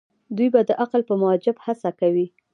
دوی به د عقل په موجب هڅه کوي.